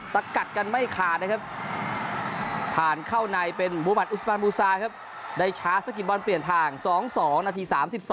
สกัดกันไม่ขาดนะครับผ่านเข้าในเป็นมุมัติอุสมันบูซาครับได้ชาร์จสกิดบอลเปลี่ยนทาง๒๒นาที๓๒